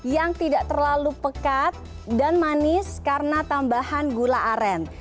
yang tidak terlalu pekat dan manis karena tambahan gula aren